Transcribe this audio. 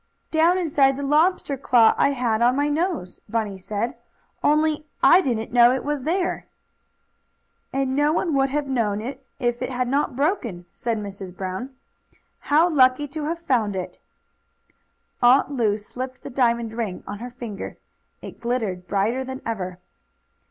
"Down inside the lobster claw, that I had on my nose," Bunny said. "Only I didn't know it was there." "And no one would have known it if it had not broken," said Mrs. Brown. "How lucky to have found it." Aunt Lu slipped the diamond ring on her finger. It glittered brighter than ever.